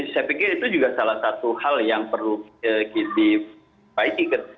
saya pikir itu juga salah satu hal yang perlu diperbaiki